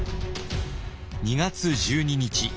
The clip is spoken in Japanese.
２月１２日